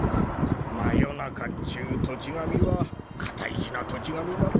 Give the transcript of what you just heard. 魔夜中ちゅう土地神は片意地な土地神だで。